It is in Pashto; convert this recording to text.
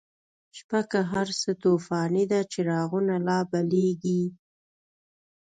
شپه که هر څه توفانی ده، چراغونه لا بلیږی